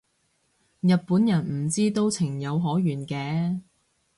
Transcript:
日本人唔知都情有可原嘅